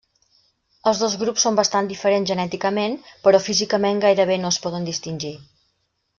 Els dos grups són bastants diferents genèticament, però físicament gairebé no es poden distingir.